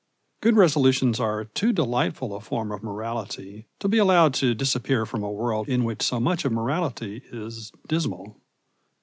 Good resolutions are too delightful a form of morality to be allowed to disappear from a world in which so much of morality is dismal.